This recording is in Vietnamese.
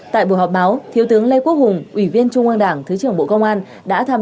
tại buổi họp báo thiếu tướng lê quốc hùng ủy viên trung an đảng thứ trưởng bộ công an đã tham